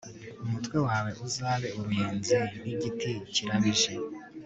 umutwe wawe uzabe uruyenzi, nk'igiti kirabije